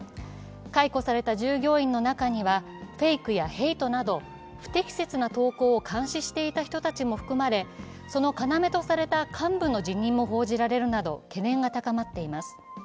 解雇された従業員の中にはフェイクやヘイトなど不適切な投稿を監視していた人たちも含まれその要とされた幹部の辞任も報じられるなど懸念が高まっています。